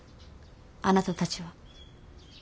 あなたたちは。